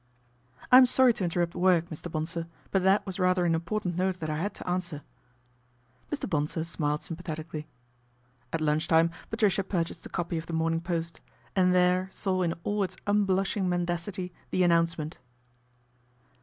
" I am sorry to interrupt work, Mr. Bonsor ; but that was rather an important note that I had to answer." Mr. Bonsor smiled sympathetically. At lunch time Patricia purchased a copy of The Morning Post, and there saw in all its un blushing mendacity the announcement.